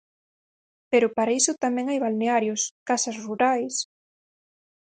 Pero para iso tamén hai balnearios, casas rurais...